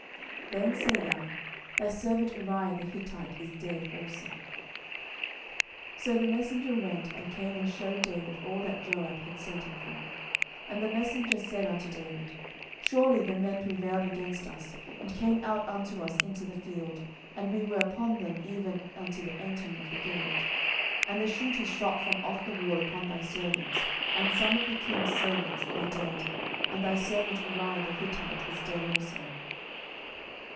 then say thou, Thy servant Uriah the Hittite is dead also. 10:011:022 So the messenger went, and came and shewed David all that Joab had sent him for. 10:011:023 And the messenger said unto David, Surely the men prevailed against us, and came out unto us into the field, and we were upon them even unto the entering of the gate. 10:011:024 And the shooters shot from off the wall upon thy servants; and some of the king's servants be dead, and thy servant Uriah the Hittite is dead also.